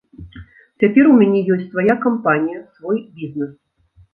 Цяпер у мяне ёсць свая кампанія, свой бізнэс.